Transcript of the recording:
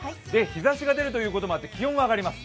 日差しが出るということもあって気温も上がります。